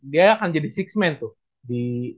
dia akan jadi enam tuh di